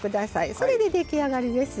それで出来上がりです。